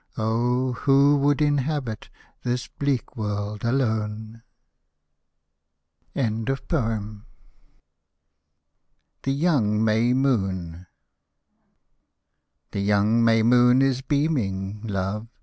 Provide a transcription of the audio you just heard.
Oh ! who would inhabit This bleak world alone ? THE YOUNG MAY MOON The young May moon is beaming, love.